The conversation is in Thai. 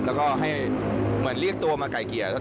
แล้วก็ให้เหมือนเรียกตัวมาไก่เกลี่ย